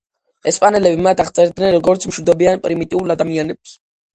ესპანელები მათ აღწერდნენ როგორც მშვიდობიან პრიმიტიულ ადამიანებს.